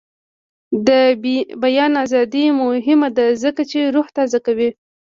د بیان ازادي مهمه ده ځکه چې روح تازه کوي.